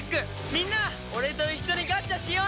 みんな俺と一緒にガッチャしようね！